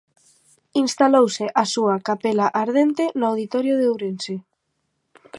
Instalouse a súa capela ardente no Auditorio de Ourense.